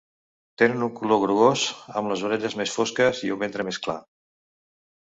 Tenen un color grogós, amb les orelles més fosques i un ventre més clar.